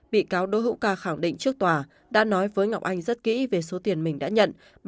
bị cáo đỗ hữu ca khẳng định trước tòa đã nói với ngọc anh rất kỹ về số tiền mình đã nhận